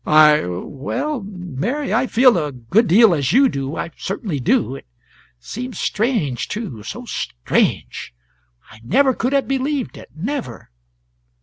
"I Well, Mary, I feel a good deal as you do: I certainly do. It seems strange, too, so strange. I never could have believed it never."